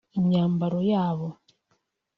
imyambaro yabo